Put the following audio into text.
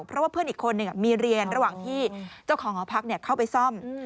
เพราะว่าเพื่อนอีกคนหนึ่งมีเรียนระหว่างที่เจ้าของหอพักเข้าไปซ่อม